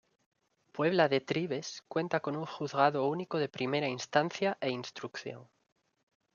Puebla de Trives cuenta con un Juzgado único de Primera Instancia e Instrucción.